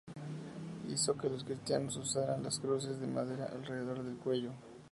Hizo que los cristianos usaran las cruces de madera alrededor del cuello.